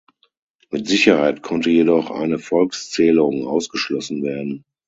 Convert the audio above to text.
Mit Sicherheit konnte jedoch eine Volkszählung ausgeschlossen werden.